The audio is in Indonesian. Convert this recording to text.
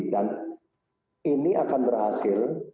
dan ini akan berhasil